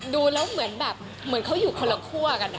ดูแล้วเหมือนเขาอยู่คนละคั่วกัน